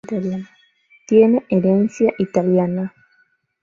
Tiene herencia italiana.